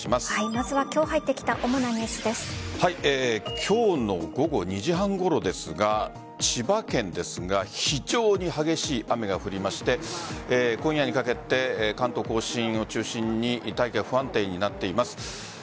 今日入ってきた今日の午後２時半ごろですが千葉県で非常に激しい雨が降りまして今夜にかけて関東甲信を中心に大気が不安定になっています。